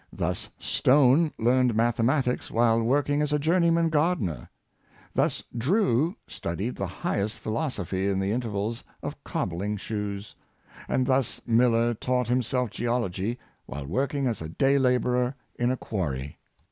Thus Stone learned mathe matics while working as a journeyman gardener ; thus Drew studied the highest philosophy in the intervals of cobbling shoes; and thus Miller taught himself geol ogy while working as a day laborer in a quarry.